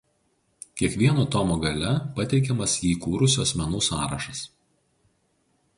Kiekvieno tomo gale pateikiamas jį kūrusių asmenų sąrašas.